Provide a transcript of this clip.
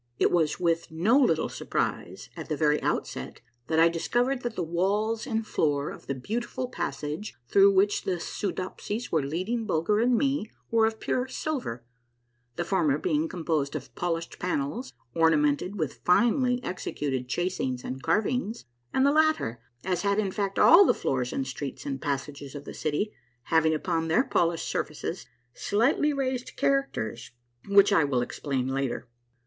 It was with no little sur prise at the very outset that I discovered that the walls and floor of the beautiful passage through which the Soodopsies were leading Bulger and me were of pure silver, the former being composed of polished panels ornamented with finely executed chasings and carvings, and the latter, as had in fact all the floors and streets and passages of the city having upon their polished surfaces slightly raised characters which I will explain later.